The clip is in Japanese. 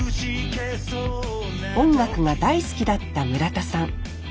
音楽が大好きだった村田さん。